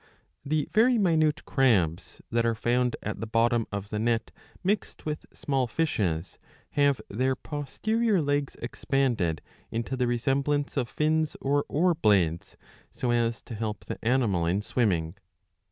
^ The very minute crabs, that are found at the bottom of the net mixed with small fishes, have their posterior legs expanded into the resemblance of fins or oar blades, so as to help the animal in swimming.